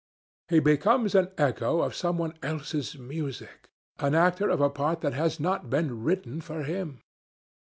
He becomes an echo of some one else's music, an actor of a part that has not been written for him.